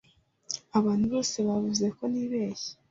Abantu bose bavuze ko nibeshye.